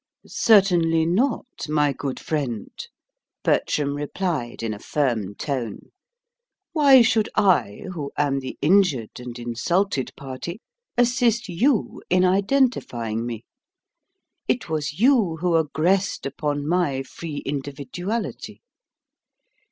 "Certainly NOT, my good friend," Bertram replied, in a firm tone. "Why should I, who am the injured and insulted party, assist YOU in identifying me? It was you who aggressed upon my free individuality.